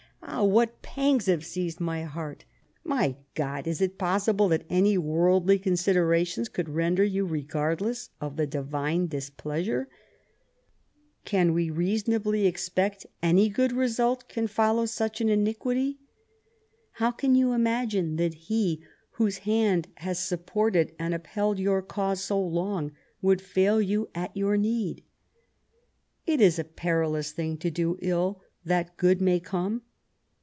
ah, what pangs have seized my heart 1 My God, is it possible that any worldly considerations could render you regardless of the Divine displeasure ? Can we reasonably expect any good result can follow such an iniquity ? How can you imagine that He whose hand has supported and upheld your cause so long would fail you at your need ? It is a perilous thing to do ill that good may come.